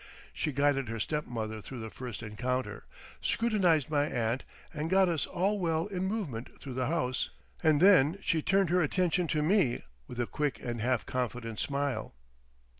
She guided her step mother through the first encounter, scrutinised my aunt, and got us all well in movement through the house, and then she turned her attention to me with a quick and half confident smile.